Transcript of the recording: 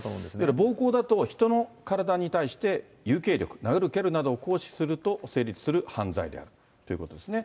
暴行だと、人の体に対して有形力、殴る、蹴るなどを行使すると成立する犯罪であるということですね。